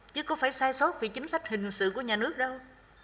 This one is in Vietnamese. chứ không phải sai sót về chính sách hình sự của nhà nước đâu